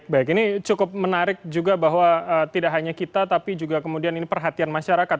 baik ini cukup menarik juga bahwa tidak hanya kita tapi juga kemudian ini perhatian masyarakat